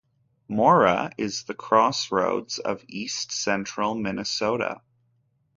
Mora is the crossroads of east-central Minnesota.